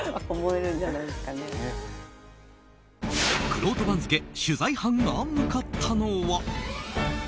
くろうと番付取材班が向かったのは。